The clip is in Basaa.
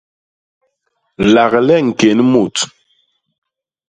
Lagle ñkén mut.